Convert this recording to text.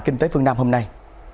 kinh tế phương nam hôm nay